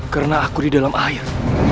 karena aku di dalam air